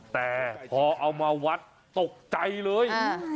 แต่พอเอามาวัดตกใจเลย